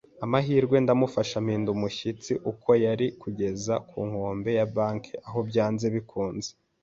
amahirwe; ndamufasha, mpinda umushyitsi uko yari, kugeza ku nkombe ya banki, aho, byanze bikunze